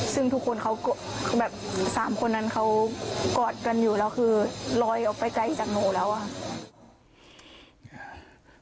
ซึ่งทุกคนเขาแบบสามคนนั้นเขากอดกันอยู่แล้วคือลอยออกไปไกลจากหนูแล้วอะค่ะ